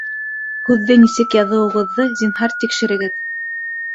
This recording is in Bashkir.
Һүҙҙе нисек яҙыуығыҙҙы, зинһар, тикшерегеҙ